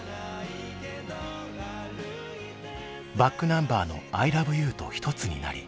ｂａｃｋｎｕｍｂｅｒの「アイラブユー」と一つになり